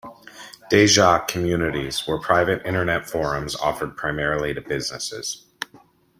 Deja Communities were private Internet forums offered primarily to businesses.